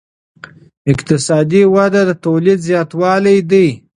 اقتصادي وده د تولید زیاتوالی دی.